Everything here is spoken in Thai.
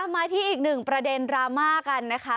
มาที่อีกหนึ่งประเด็นดราม่ากันนะคะ